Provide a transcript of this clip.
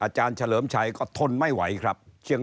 เฉลิมชัยก็ทนไม่ไหวครับ